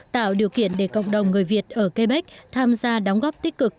tạo điều kiện để cộng đồng người việt ở kê bách tham gia đóng góp tích cực